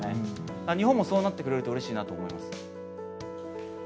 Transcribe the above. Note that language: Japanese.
だから日本もそうなってくれると、うれしいなと思います。